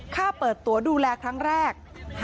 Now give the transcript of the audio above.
ค่าเปิดตัวดูแลครั้งแรก